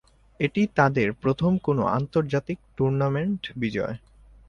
এটি তাদের প্রথম কোন আন্তর্জাতিক টুর্নামেন্ট বিজয়।